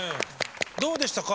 どうでしたか？